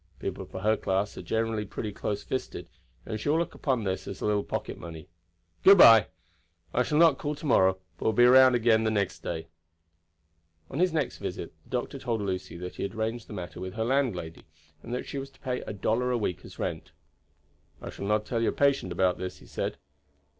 People of her class are generally pretty close fisted, and she will look upon this as a little pocket money. Good by! I shall not call to morrow, but will be round next day again." On his next visit the doctor told Lucy that he had arranged the matter with her landlady, and that she was to pay a dollar a week as rent. "I should not tell your patient about this," he said.